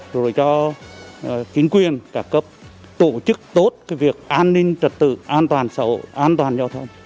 rồi cho chính quyền cả cấp tổ chức tốt việc an ninh trật tự an toàn sầu an toàn giao thông